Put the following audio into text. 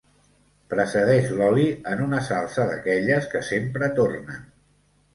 Precedeix l'oli en una salsa d'aquelles que sempre tornen.